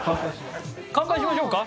乾杯しましょうか？